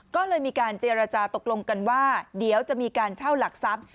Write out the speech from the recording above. ก็เลยมีการเจรจาตกลงกันว่าเดี๋ยวจะมีการเช่าหลักทรัพย์